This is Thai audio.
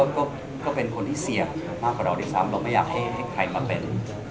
ก็เป็นคนที่เสี่ยงมากกว่าเราด้วยซ้ำเราไม่อยากให้ใครมาเป็น